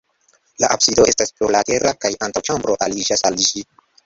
La absido estas plurlatera kaj antaŭĉambro aliĝas al ĝi.